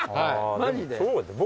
マジで？